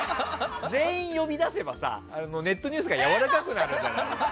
全員呼び出せばさネットニュースがやわらかくなるから。